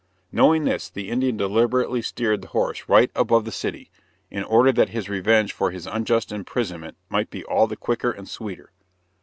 Knowing this, the Indian deliberately steered the horse right above the city, in order that his revenge for his unjust imprisonment might be all the quicker and sweeter.